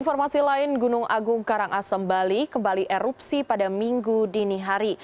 informasi lain gunung agung karangasem bali kembali erupsi pada minggu dini hari